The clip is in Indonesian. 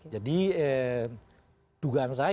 jadi duga duga itu bisa terus berlangsung